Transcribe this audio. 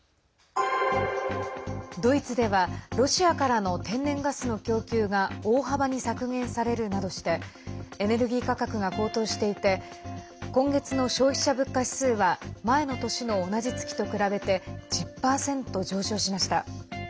ドイツではロシアからの天然ガスの供給が大幅に削減されるなどしてエネルギー価格が高騰していて今月の消費者物価指数は前の年の同じ月と比べて１０％上昇しました。